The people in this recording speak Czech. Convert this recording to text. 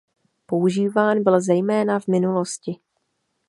Používán byl zejména v minulosti.